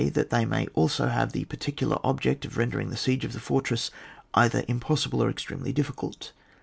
That they may also have the particu lar object of rendering the siege of the for^ tress either impossible or extremely diffi cult.